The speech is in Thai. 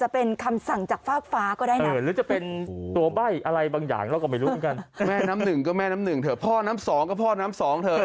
พ่อน้ำหนึ่งเถอะพ่อน้ำสองก็พ่อน้ำสองเถอะ